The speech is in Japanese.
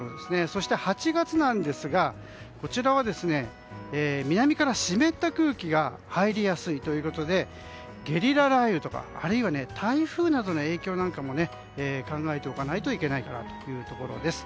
そして８月なんですがこちらは南から湿った空気が入りやすいということでゲリラ雷雨とかあるいは台風などの影響なんかも考えておかないといけないかなというところです。